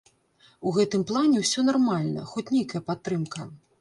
У гэтым плане ўсё нармальна, хоць нейкая падтрымка.